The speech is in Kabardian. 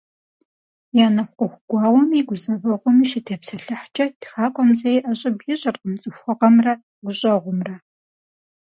Я нэхъ ӏуэху гуауэми гузэвэгъуэми щытепсэлъыхькӏэ, тхакӏуэм зэи ӏэщӏыб ищӏыркъым цӏыхугъэмрэ гущӏэгъумрэ.